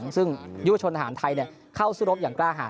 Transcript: ซึ่งยุวชนทหารไทยเข้าสู้รบอย่างกล้าหา